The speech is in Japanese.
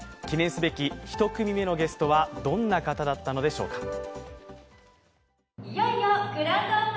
記念すべき１組目のゲストは、どんな方だったのでしょうか。